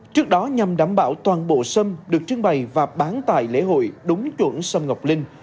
trước đó nhằm đảm bảo toàn bộ sâm được trưng bày và bán tại lễ hội đúng chuẩn sâm ngọc linh